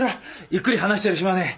ゆっくり話している暇はねえ。